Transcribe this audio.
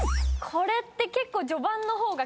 これって結構。